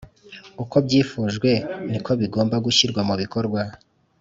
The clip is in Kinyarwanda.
uko byifujwe niko bigomba gushyirwa mu bikorwa